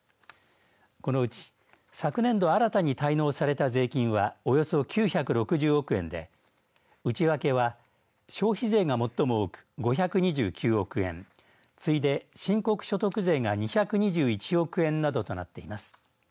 このうち昨年度新たに滞納された税金はおよそ９６０億円で内訳は消費税が最も多く５２９億円次いで申告所得税が２２１億円などとなっています。